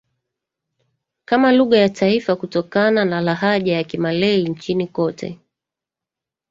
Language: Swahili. kama lugha ya taifa kutokana na lahaja ya Kimalay Nchini kote